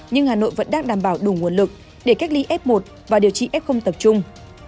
nhưng hà nội vẫn đang đảm bảo đủ nguồn lực để cách ly f một và điều trị f tập trung